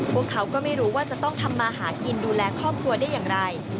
พวกเขาก็ไม่รู้ว่าจะต้องทำมาหากินดูแลครอบครัวได้อย่างไร